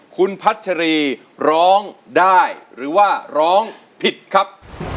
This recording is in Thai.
คุณพัชรีร้องได้หรือว่าร้องผิดครับ